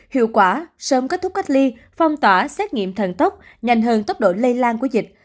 hiệu quả sớm kết thúc cách ly phong tỏa xét nghiệm thần tốc nhanh hơn tốc độ lây lan của dịch